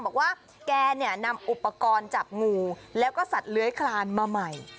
บอกว่าแกเนี่ยนำอุปกรณ์จับงูแล้วก็สัตว์เลื้อยคลานมาใหม่